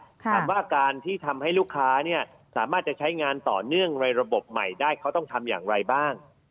อาการที่ทำให้ลูกค้าสามารถจะใช้งานต่อเนื่องในระบบใหม่ได้เขาต้องทำอย่างไรบ้าง